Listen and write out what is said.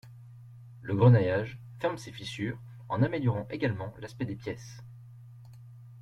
Le grenaillage ferme ces fissures en améliorant également l’aspect des pièces.